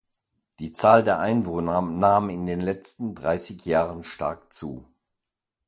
Die Zahl der Einwohner nahm in den letzten dreißig Jahren stark zu.